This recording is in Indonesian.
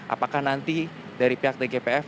apakah nanti dari pihak tgpf